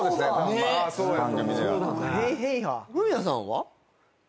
フミヤさんは？